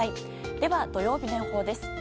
では、土曜日の予報です。